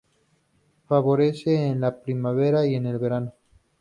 Florece en la primavera y el verano.